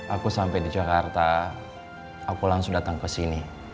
aku sampai di jakarta aku langsung datang kesini